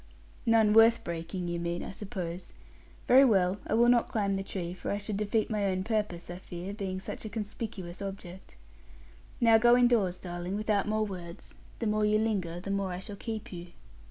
'None worth breaking, you mean, I suppose. Very well; I will not climb the tree, for I should defeat my own purpose, I fear; being such a conspicuous object. Now go indoors, darling, without more words. The more you linger, the more I shall keep you.'